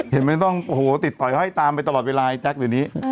เห็นมั้ยต้องโอ้โหติดป่อยห้อยตามไปตลอดเวลาไอ้จั๊กตัวนี้